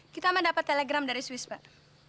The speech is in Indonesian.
kita mendapat telegram dari swiss pak